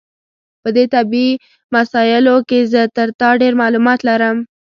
په دې طبي مسایلو کې زه تر تا ډېر معلومات لرم.